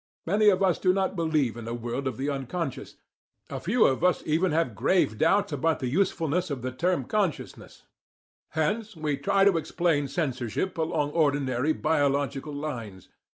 Many of us do not believe in a world of the unconscious (a few of us even have grave doubts about the usefulness of the term consciousness), hence we try to explain censorship along ordinary biological lines.